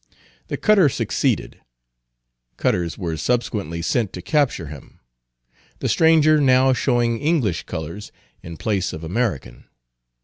The cutter succeeded. Cutters were subsequently sent to capture him; the stranger now showing English colors in place of American.